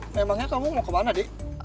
memangnya kamu mau kemana di